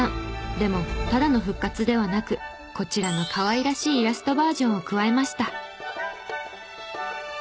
でもただの復活ではなくこちらのかわいらしいイラストバージョンを加えました。